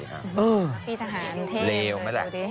พี่ทหารเท่เลวไหมล่ะ